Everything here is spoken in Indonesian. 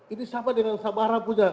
ini sama dengan sabara punya